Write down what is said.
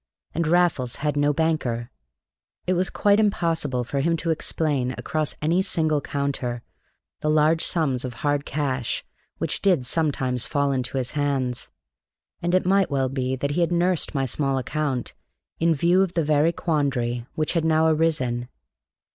And Raffles had no banker; it was quite impossible for him to explain, across any single counter, the large sums of hard cash which did sometimes fall into his hands; and it might well be that he had nursed my small account in view of the very quandary which had now arisen.